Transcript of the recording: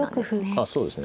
あっそうですね。